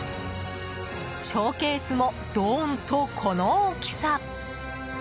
ショーケースもドーンと、この大きさ。